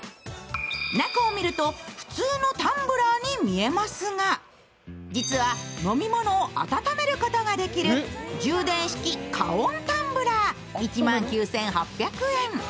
中を見ると、普通のタンブラーに見えますが、実は飲み物を温めることができる充電式加温タンブラー１万９８００円。